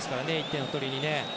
１点を取りにね。